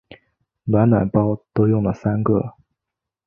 暖暖包都用了三个